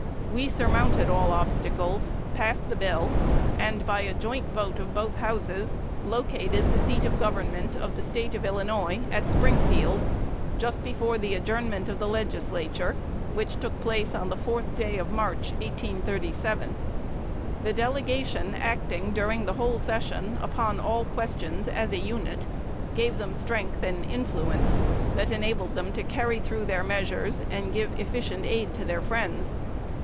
"We surmounted all obstacles, passed the bill, and, by a joint vote of both Houses, located the seat of government of the State of Illinois at Springfield, just before the adjournment of the Legislature, which took place on the fourth day of March, 1837. The delegation acting during the whole session upon all questions as a unit, gave them strength and influence, that enabled them to carry through their measures and give efficient aid to their friends.